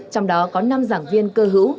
trong đó có năm giảng viên cơ hữu